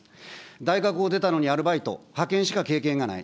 大学を出たのにアルバイト、派遣しか経験がない。